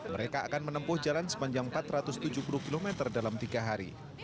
mereka akan menempuh jalan sepanjang empat ratus tujuh puluh km dalam tiga hari